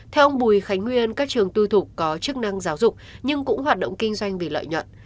theo ông bùi khánh nguyên các trường tư thục có chức năng giáo dục nhưng cũng hoạt động kinh doanh vì lợi nhuận